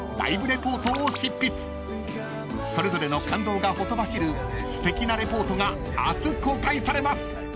［それぞれの感動がほとばしるすてきなレポートが明日公開されます］